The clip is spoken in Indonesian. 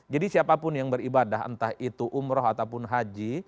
jadi siapapun yang beribadah entah itu umroh ataupun haji